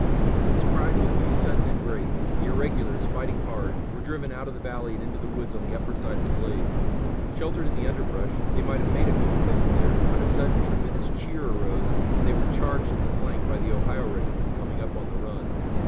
But the surprise was too sudden and great. The irregulars, fighting hard, were driven out of the valley and into the woods on the upper side of the glade. Sheltered in the underbrush, they might have made a good defense there, but a sudden tremendous cheer arose, and they were charged in the flank by the Ohio regiment, coming up on the run.